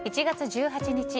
１月１８日